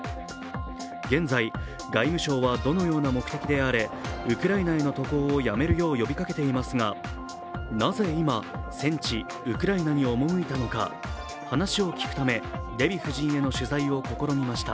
現在、外務省はどのような目的であれウクライナへの渡航をやめるよう呼びかけていますが、なぜ今、戦地ウクライナに赴いたのか、話を聞くため、デヴィ夫人への取材を試みました。